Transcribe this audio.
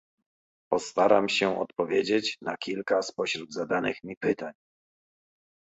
Postaram się odpowiedzieć na kilka spośród zadanych mi pytań